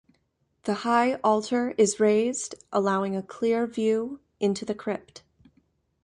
The high altar is raised, allowing a clear view into the crypt.